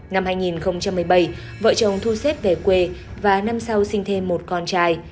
năm hai nghìn một mươi bảy vợ chồng thu xếp về quê và năm sau sinh thêm một con trai